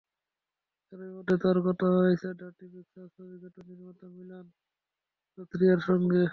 এরই মধ্যে তাঁর কথা হয়েছে ডার্টি পিকচার ছবিখ্যাত নির্মাতা মিলান লুথরিয়ার সঙ্গে।